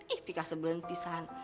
ih pikas sebelah pisahan